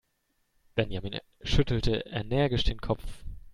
Benjamin schüttelte energisch den Kopf.